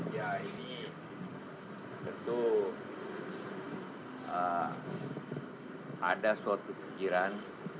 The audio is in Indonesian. ya ini tentu ada suatu pikiran